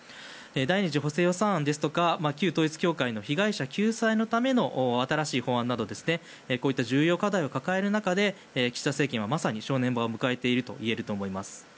第２次補正予算案ですとか旧統一教会の被害者救済のための新しい法案などこういった重要課題を抱える中で岸田政権はまさに正念場を迎えているといえると思います。